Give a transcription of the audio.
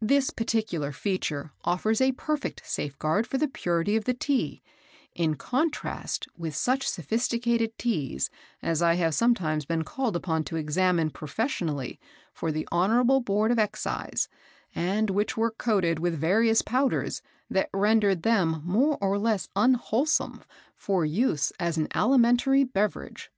This particular feature offers a perfect safeguard for the purity of the Tea, in contrast with such sophisticated Teas as I have sometimes been called upon to examine professionally for the Honourable Board of Excise, and which were coated with various powders that rendered them more or less unwholesome for use as an alimentary beverage."